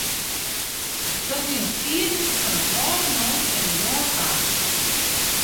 Dat wie in skiednis fan in âlde man en in jonge faam.